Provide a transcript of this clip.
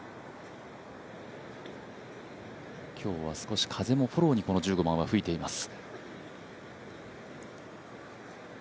今日は少し風もフォローにこの１５番は吹いています。